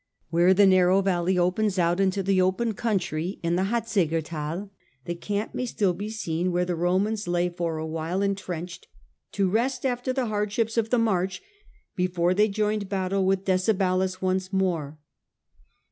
Where the narrow valley widens out into the open country in the Hatszeger Thai, the camp may still be seen where the Romans lay for a while entrenched Roman to rest after the hardships of the march before victories they joined battle with Decebalus once more.